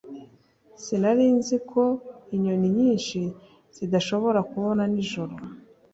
Sinari nzi ko inyoni nyinshi zidashobora kubona nijoro